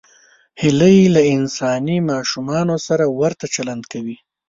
هیلۍ له انساني ماشومانو سره ورته چلند کوي